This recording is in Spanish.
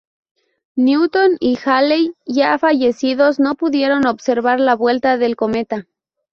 Newton y Halley ya fallecidos no pudieron observar la vuelta del cometa.